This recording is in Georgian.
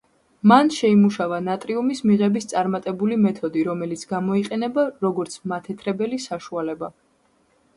მან შეიმუშავა ნატრიუმის მიღების წარმატებული მეთოდი, რომელიც გამოიყენება, როგორც მათეთრებელი საშუალება.